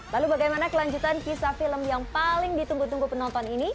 lalu bagaimana kelanjutan kisah film yang paling ditunggu tunggu penonton ini